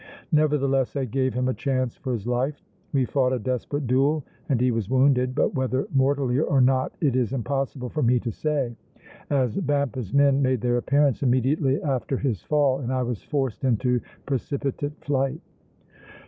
Nevertheless I gave him a chance for his life. We fought a desperate duel and he was wounded, but whether mortally or not it is impossible for me to say, as Vampa's men made their appearance immediately after his fall, and I was forced into precipitate flight."